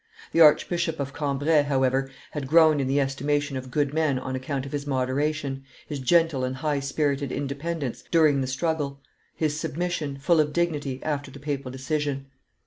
The Archbishop of Cambrai, however, had grown in the estimation of good men on account of his moderation, his gentle and high spirited independence during the struggle, his submission, full of dignity, after the papal decision.